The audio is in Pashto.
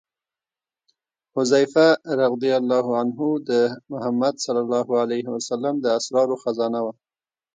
حذیفه رض د محمد صلی الله علیه وسلم د اسرارو خزانه وه.